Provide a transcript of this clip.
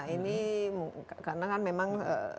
ini karena kan memang